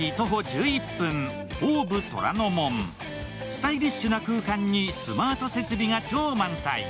スタイリッシュな空間にスマート設備が超満載。